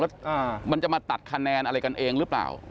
อ่ามันจะมาตัดคะแนนอะไรกันเองหรือเปล่า